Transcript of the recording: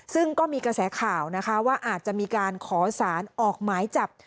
ซึ่งก็มีกระแสข่าวนะคะว่าอาจจะมีการขอสารออกหมายจับ